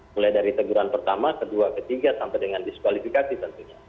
mulai dari teguran pertama kedua ketiga sampai dengan diskualifikasi tentunya